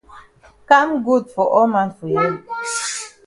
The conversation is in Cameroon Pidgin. Kam good for all man for here.